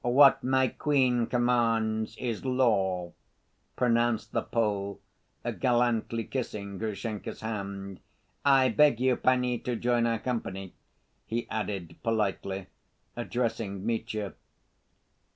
"What my queen commands is law!" pronounced the Pole, gallantly kissing Grushenka's hand. "I beg you, panie, to join our company," he added politely, addressing Mitya.